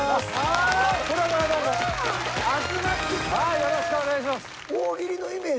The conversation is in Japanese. よろしくお願いします。